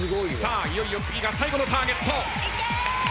いよいよ次が最後のターゲット。